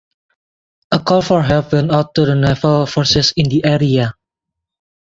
A call for help went out to the naval forces in the area.